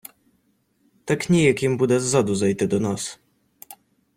Так ніяк їм буде ззаду зайти до нас.